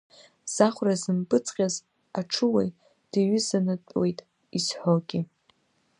Заӷәра зымпыҵҟьаз аҽуаҩ диҩызанатәуеит изҳәогьы.